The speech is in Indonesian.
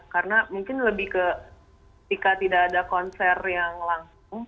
karena mungkin lebih ke ketika tidak ada konser yang langsung